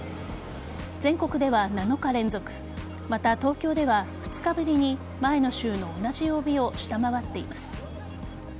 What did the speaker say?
全国では７日連続また、東京では２日ぶりに前の週の同じ曜日を下回っています。